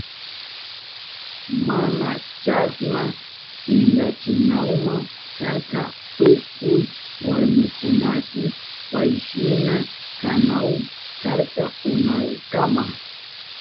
Mana chasna pinkachinahuma karka tukuy warmikunashi payshina kanahuma karka kunankama.